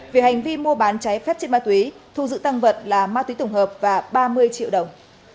vì hành vi mua bán cháy phép chất ma túy thu giữ tăng vật là ma túy tổng hợp và ba mươi triệu đồng